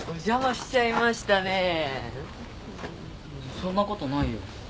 そんなことないよ。